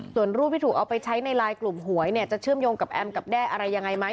ส่วนรูปที่ถูกเอาไปใช้ในไลน์กลุ่มหวยเนี่ยจะเชื่อมโยงกับแอมกับแด้อะไรยังไงไหม